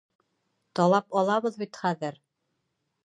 Талап алабыҙ бит хәҙер!